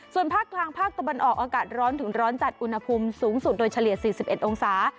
ส่วนภาคกลางภาคตะวันออกอากาศร้อนถึงร้อนจัดอุณหภูมิสูงสุดโดยเฉลี่ย๔๑องศา